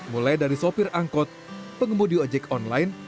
mulai dari sopir angkot pengemudi ojek online